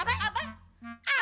abang mau nyari kita berdua